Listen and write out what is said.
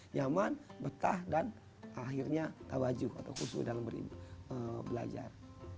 nyaman betah dan akhirnya kebaju khusus dalam belajar